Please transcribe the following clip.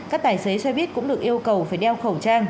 các tài xế xoay viết cũng được yêu cầu phải đeo khẩu trang